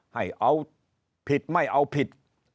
ให้เอาผิดไม่เอาผิด